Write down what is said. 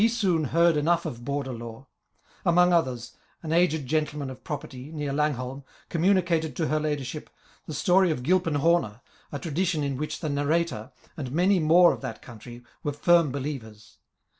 } Digitized by VjOOQIC l i INTRODUCTION TO THK heard enough of Border lore ; ainong otliers, an aged gentleman of property,* near Langholm, communicated to her ladyship the story of Gilpin Homer, a tradition in which the narrator, and many more of that country, were firm believers.